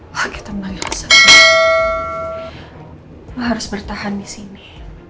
hadi temen temen di sini lo harus bertahan di sini